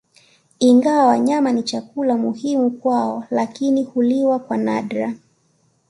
Ingawa nyama ni chakula muhimu kwao lakini huliwa kwa nadra